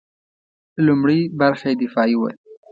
لومړۍ برخه یې دفاعي وه.